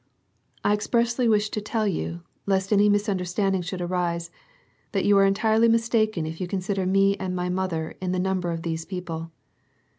"I expressly wish to tell you, lest any misunderstanding should arise, that you are entirely mistaken if you consider me and my mother in the number of these people.